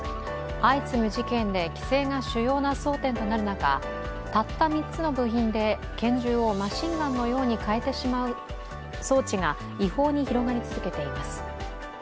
相次ぐ事件で規制が主要な争点となる中、たった３つの部品で拳銃をマシンガンのように変えてしまう装置が違法に広がり続けています。